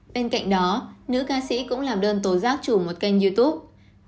bên cạnh đó nữ ca sĩ cũng làm đơn tố giác chủ một kênh youtube